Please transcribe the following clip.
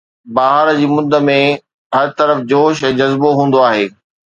بهار جي مند ۾ هر طرف جوش ۽ جذبو هوندو آهي